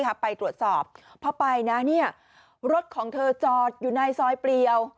ไปตรวจสอบพอไปนะเนี่ยรถของเธอจอดอยู่ในซอยเปรียว